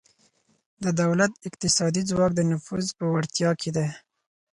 د دولت اقتصادي ځواک د نفوذ په وړتیا کې دی